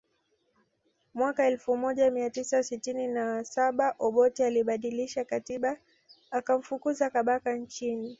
Mwaka elfu moja mia tisa sitini na saba Obote alibadilisha katiba akamfukuza Kabaka nchini